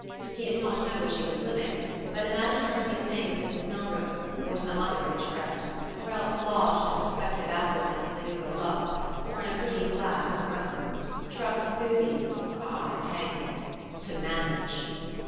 He did not know where she was living, but imagined her to be staying with Mrs. Melrose, or some other rich friend, or else lodged, in prospective affluence, at the Nouveau Luxe, or in a pretty flat of her own. Trust Susy ah, the pang of it to "manage"!